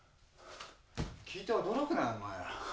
聞いて驚くなお前ら。